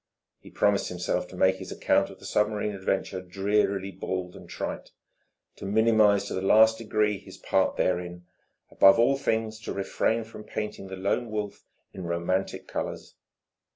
He promised himself to make his account of the submarine adventure drearily bald and trite, to minimize to the last degree his part therein, above all things to refrain from painting the Lone Wolf in romantic colours.